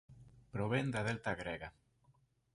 Provén da delta grega.